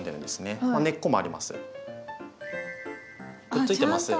くっついてます。